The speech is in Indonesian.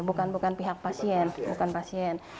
bukan pihak pasien